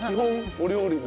お料理の。